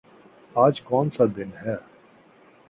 آج کونسا دن ہے؟